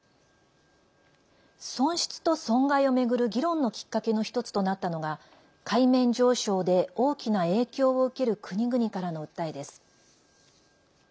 損失と損害を巡る議論のきっかけの１つとなったのが海面上昇で大きな影響を受ける国々からの訴えです。